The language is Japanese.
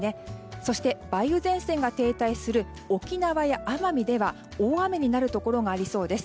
そして、梅雨前線が停滞する沖縄や奄美では大雨になるところがありそうです。